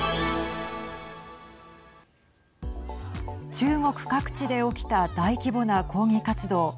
中国各地で起きた大規模な抗議活動。